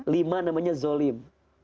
lima ada yang namanya zolim